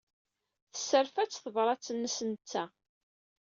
Tesserfa-tt tebṛat-nnes netta.